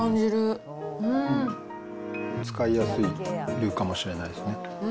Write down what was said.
使いやすいルーかもしれないですね。